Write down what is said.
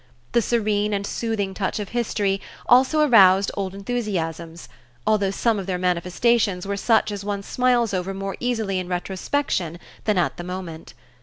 The serene and soothing touch of history also aroused old enthusiasms, although some of their manifestations were such as one smiles over more easily in retrospection than at the moment.